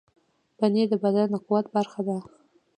پنېر د بدن د قوت برخه ده.